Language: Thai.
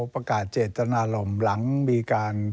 ประกาศเจตนารมณ์หลังมีการ